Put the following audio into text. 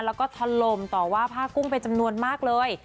แล้วก็ทะลมต่อว่าผ้ากุ้งเป็นจำนวนมากเลย